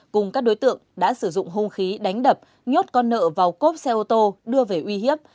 cùng các đối tượng đã sử dụng hông khí đánh đập nhốt con nợ vào cốp xe ô tô đưa về uy hiếp